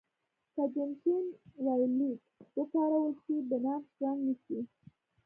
که جنشن وایولېټ وکارول شي بنفش رنګ نیسي.